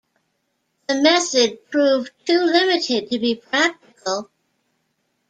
The method proved too limited to be practical.